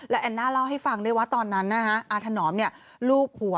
แอนน่าเล่าให้ฟังด้วยว่าตอนนั้นอาถนอมลูบหัว